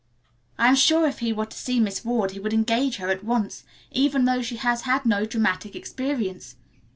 I am sure if he were to see Miss Ward he would engage her at once, even though she has had no dramatic experience.